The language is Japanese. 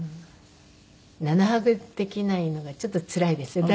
ハグできないのがちょっとつらいです。